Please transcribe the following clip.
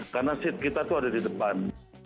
karena seat kita itu ada di depan